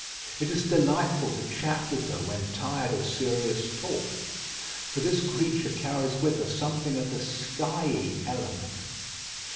It is delightful to chat with her when tired of serious talk; for this creature carries with her something of her skyey element.